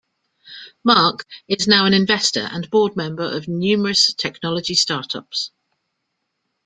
Mark is now an investor and board member of numerous technology startups.